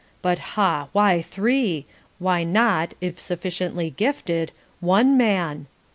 But Ha! why THREE? Why not, if sufficiently gifted, ONE man?"